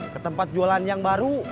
ketempat jualan yang baru